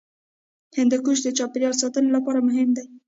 هندوکش د چاپیریال ساتنې لپاره مهم دی.